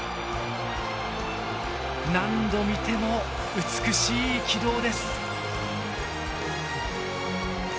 何度見ても美しい軌道です。